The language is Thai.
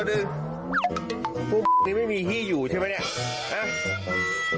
อู่นี้ไม่มีที่อยู่ใช่ไหมนะ